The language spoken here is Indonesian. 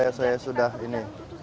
coba dilengkapi sertifikasi itu